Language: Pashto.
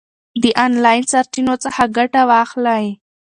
د آنلاین سرچینو څخه ګټه واخلئ.